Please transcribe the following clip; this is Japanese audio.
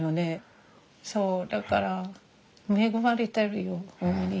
そうだから恵まれてるよホンマに。